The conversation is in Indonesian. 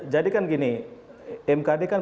jadi kan gini mkd kan